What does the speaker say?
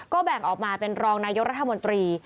ก็แบ่งออกมาเป็นรองนายกรัฐมนตรี